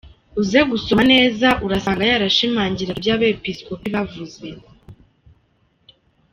Uze gusoma neza urasanga yarashumangiraga ibyo abepiskopi bavuze.